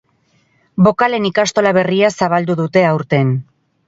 Bokalen ikastola berria zabaldu dute aurten.